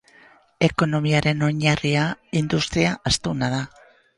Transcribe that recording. Ekonomiaren oinarria industria astuna da.